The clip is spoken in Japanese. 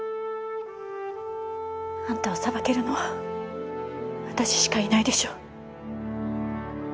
あんたを裁けるのは私しかいないでしょ。